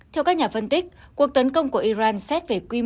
theo các nhà phân tích cuộc tấn công của iran xét về quyết định